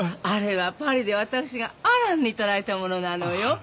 あれはパリで私がアランに頂いたものなのよ。